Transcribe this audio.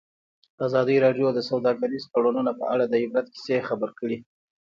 ازادي راډیو د سوداګریز تړونونه په اړه د عبرت کیسې خبر کړي.